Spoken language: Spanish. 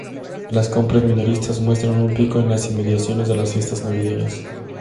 Las compras minoristas muestran un pico en las inmediaciones de las fiestas navideñas.